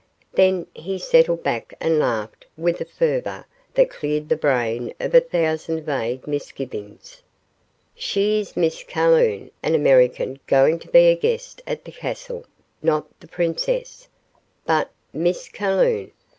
Then he settled back and laughed with a fervor that cleared the brain of a thousand vague misgivings. "She is Miss Calhoun, an American going to be a guest at the castle," not the princess, but Miss Calhoun.